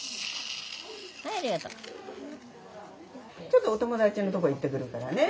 ちょっとお友達のとこ行ってくるからね。